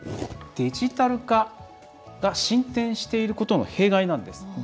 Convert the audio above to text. デジタル化が進展していることの弊害なんです。